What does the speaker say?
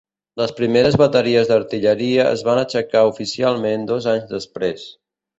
Les primeres bateries d'Artilleria es van aixecar oficialment dos anys després.